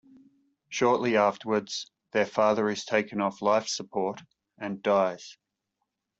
Shortly afterwards, their father is taken off life-support, and dies.